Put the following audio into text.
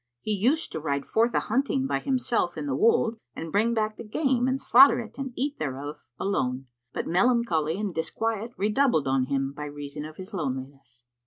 He used to ride forth a hunting by himself in the wold and bring back the game and slaughter it and eat thereof alone: but melancholy and disquiet redoubled on him, by reason of his loneliness.